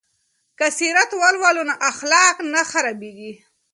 که سیرت ولولو نو اخلاق نه خرابیږي.